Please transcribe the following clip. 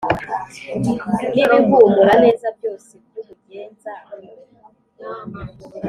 N’ibihumura neza byose by’umugenza?